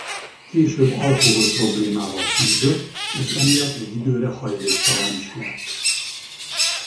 Később alkohol problémával küzdött és emiatt egy időre hajléktalan is lett.